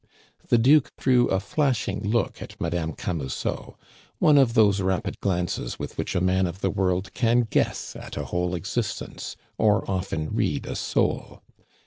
The Duke threw a flashing look at Madame Camusot, one of those rapid glances with which a man of the world can guess at a whole existence, or often read a soul.